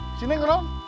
disini yang kenon